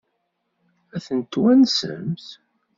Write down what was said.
Ad tent-twansemt?